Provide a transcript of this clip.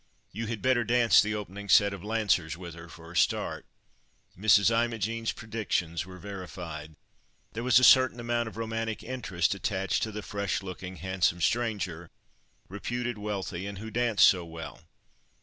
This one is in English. You had better dance the opening set of lancers with her for a start." Mrs. Imogen's predictions were verified. There was a certain amount of romantic interest attached to the fresh looking, handsome stranger, reputed wealthy, and who danced so well.